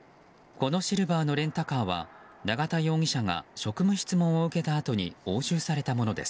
このシルバーのレンタカーは永田容疑者が職務質問を受けたあとに押収されたものです。